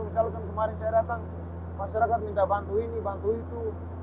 misalkan kemarin saya datang masyarakat minta bantu ini bantu itu